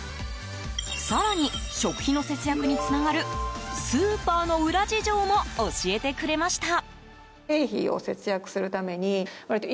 更に食費の節約につながるスーパーの裏事情も教えてくれました。